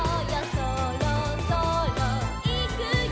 「そろそろいくよ」